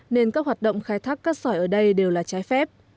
nên các hoạt động khai thác cát sỏi ở đây đều là trái phép